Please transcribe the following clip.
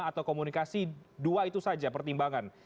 atau komunikasi dua itu saja pertimbangan